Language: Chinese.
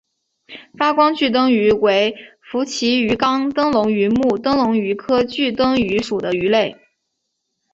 发光炬灯鱼为辐鳍鱼纲灯笼鱼目灯笼鱼科炬灯鱼属的鱼类。